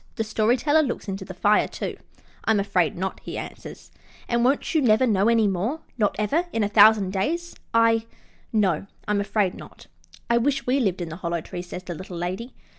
The Story Teller looks into the fire, too. "I'm afraid not," he answers. "And won't you never know any more? Not ever in a thousand days?" "I no, I'm afraid not." "I wish we lived in a Hollow Tree," says the Little Lady.